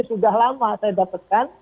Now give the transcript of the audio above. sudah lama saya dapatkan